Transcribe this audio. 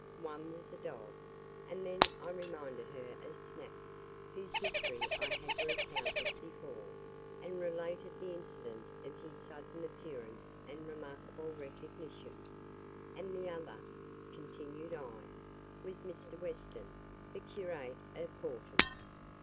One was a dog;" and then I reminded her of Snap, whose history I had recounted before, and related the incident of his sudden appearance and remarkable recognition; "and the other," continued I, "was Mr. Weston, the curate of Horton."